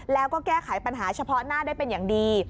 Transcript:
แล้วก็แก้ไขปัญหาเฉพาะหน้าได้เป็นอย่างดี